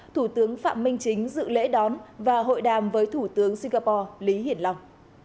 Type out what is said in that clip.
thủ tướng phạm minh chính dự lễ đón và hội đàm với thủ tướng singapore lý hiển long